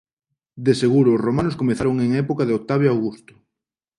De seguro os romanos comezaron en época de Octavio Augusto.